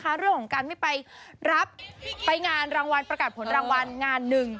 เรื่องของการไม่ไปรับไปงานรางวัลประกาศผลรางวัลงานหนึ่ง